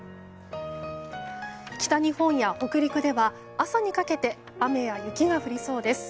北日本や北陸では朝にかけて雨や雪が降りそうです。